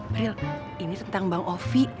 prill ini tentang bang ovi